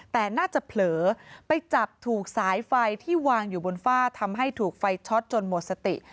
แต่น่าจะเผลอไปจับถูกสายไฟที่วางอยู่บนฝ้าทำให้ถูกไฟช็อตจนหมดสติ